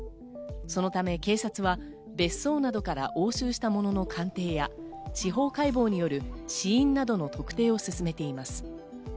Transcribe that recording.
そのため、警察は別荘などから押収したものの鑑定や、司法解剖による死因などの特定を進めています。